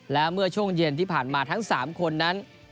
และเมื่อช่วงเย็นที่ผ่านมาทั้ง๓คนนั้น